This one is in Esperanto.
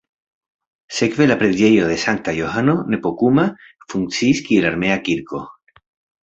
Sekve la preĝejo de sankta Johano Nepomuka funkciis kiel armea kirko.